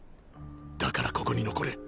だからここに残れ。